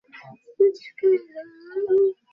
অবৈধ অভিবাসী হওয়ার কারণে দেশেও যেতে পারছেন না ।